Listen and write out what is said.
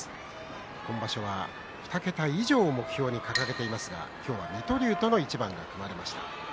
今場所は２桁以上を目標に掲げていますが今日は水戸龍との一番が組まれました。